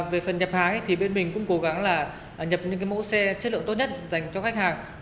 về phần nhập hàng thì bên mình cũng cố gắng là nhập những mẫu xe chất lượng tốt nhất dành cho khách hàng